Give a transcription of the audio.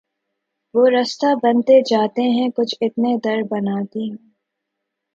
وہ رستہ بنتے جاتے ہیں کچھ اتنے در بناتی ہوں